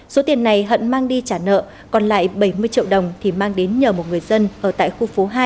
số tiền này hận mang đi trả nợ còn lại bảy mươi triệu đồng thì mang đến nhờ một người dân ở tại khu phố hai